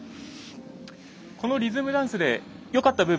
このリズムダンスでよかった部分。